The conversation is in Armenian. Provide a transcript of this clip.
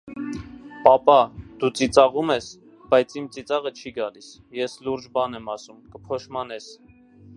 - Պապա, դու ծիծաղում ես, բայց իմ ծիծաղը չի գալիս, ես լուրջ բան եմ ասում, կփոշմանես: